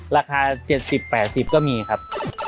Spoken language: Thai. ราคา๗๐๘๐ก็มีครับ